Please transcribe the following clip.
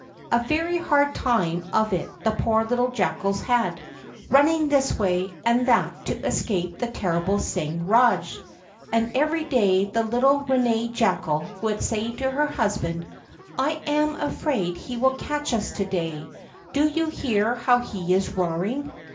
A very hard time of it the poor little jackals had, running this way and that to escape the terrible Singh Rajah; and every day the little Ranee Jackal would say to her husband: "I am afraid he will catch us to day; do you hear how he is roaring?